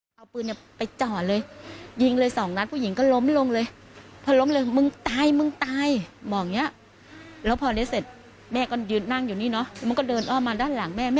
สามอีกสามจากสองก็ทั้งหมดเป็นห้าใช่ไหม